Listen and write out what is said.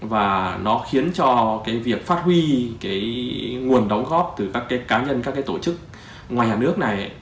và nó khiến cho cái việc phát huy cái nguồn đóng góp từ các cái cá nhân các cái tổ chức ngoài nhà nước này